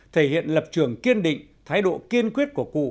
thể hiện lập trường kiên định thái độ kiên quyết của cụ